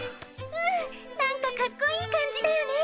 うんなんかかっこいい感じだよね。